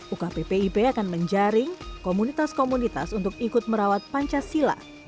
ukppip akan menjaring komunitas komunitas untuk ikut merawat pancasila